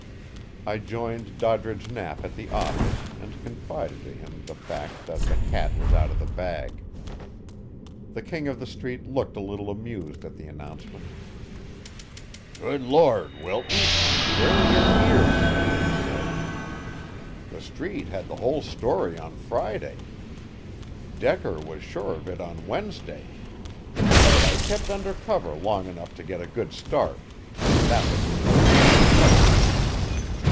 I joined Doddridge Knapp at the office and confided to him the fact that the cat was out of the bag. The King of the Street looked a little amused at the announcement. "Good Lord, Wilton! Where are your ears?" he said. "The Street had the whole story on Friday. Decker was sure of it on Wednesday. But I kept under cover long enough to get a good start, and that was as much as I expected."